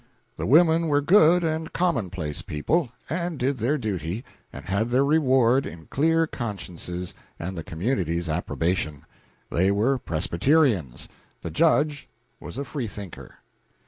The women were good and commonplace people, and did their duty and had their reward in clear consciences and the community's approbation. They were Presbyterians, the Judge was a free thinker.